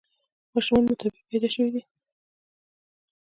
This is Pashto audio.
ماشومان مو طبیعي پیدا شوي دي؟